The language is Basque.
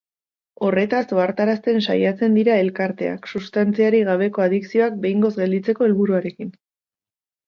Horretaz ohartarazten saiatzen dira elkarteak, sustantziarik gabeko adikzioak behingoz gelditzeko helburuarekin.